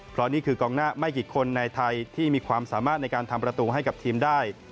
เพราะนี่คือกองหน้าไม่กี่คนในไทยที่มีความสามารถในการทำประตูให้กับทีมได้